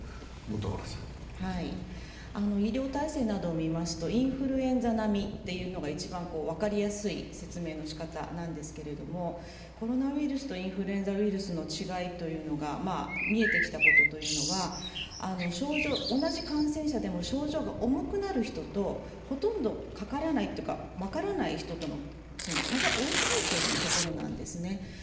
医療体制などを見ますとインフルエンザ並みというのが一番分かりやすい説明のしかたなんですけれども、コロナウイルスとインフルエンザウイルスの違いが見えてきたことというのは同じ感染者でも症状が重くなる人とほとんどかからないというか分からない人との差が大きいということなんですね。